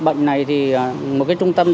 để giúp đỡ các người